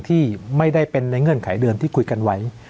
ที่ไม่ได้เป็นในเงื่อนไขเดิมที่คุยกันไว้